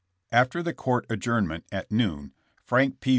After the court adjournment at noon Frank P.